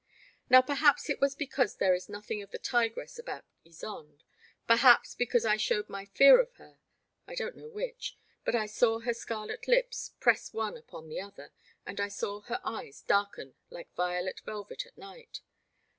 134 ^^ Black Water. Now perhaps it was because there is nothing of the tigress about Ysonde, perhaps because I showed my fear of her — I don't know which — ^but 1 saw her scarlet lips press one upon the other, and I saw her eyes darken like violet velvet at night.